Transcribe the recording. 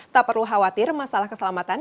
tak perlu khawatir masalah keselamatan